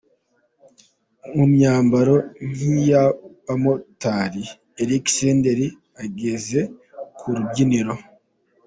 Mu myambaro nk’iy’abamotari ’Eric Senderi’ ageze ku rubyiniro.